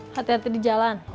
hati hati di jalan